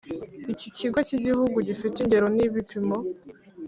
Ikigo cy igihugu gifite ingero n ibipimo